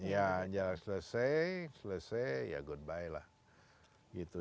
ya selesai selesai ya goodbye lah gitu